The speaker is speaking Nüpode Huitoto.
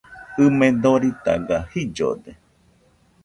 ɨme doritaga jillode